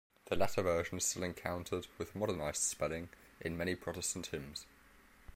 The latter version is still encountered, with modernized spelling, in many Protestant hymns.